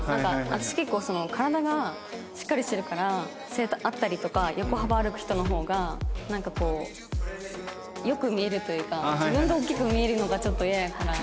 私結構体がしっかりしてるから背あったりとか横幅ある人の方がなんかこう良く見えるというか自分が大きく見えるのがちょっとイヤやから。